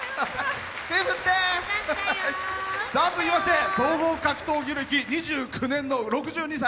続きまして総合格闘技歴２９年の６２歳。